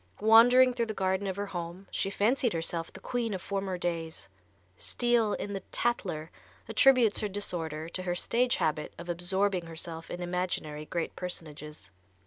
Wandering through the garden of her home she fancied herself the queen of former days. Steele, in the "Tattler," attributes her disorder to her stage habit of absorbing herself in imaginary great personages.